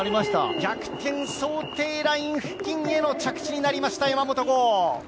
逆転想定ライン付近への着地になりました、山元豪。